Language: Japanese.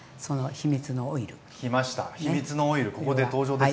秘密のオイルここで登場ですねまた。